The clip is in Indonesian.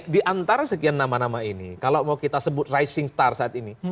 di antara sekian nama nama ini kalau mau kita sebut rising star saat ini